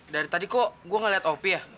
dari tadi kok gue gak liat opie ya